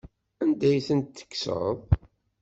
Anda ay tent-tekkseḍ?